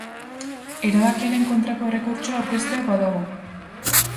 Erabakiaren kontrako errekurtsoa aurkeztea badago.